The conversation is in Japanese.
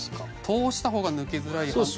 通した方が抜けづらい。